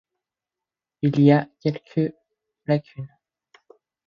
Il a quelques lacunes.